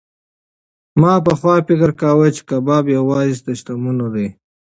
ما پخوا فکر کاوه چې کباب یوازې د شتمنو دی.